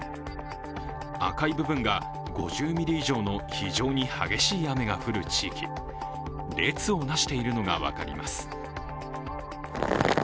赤い部分が５０ミリ以上の非常に激しい雨が降る地域、列を成しているのが分かります。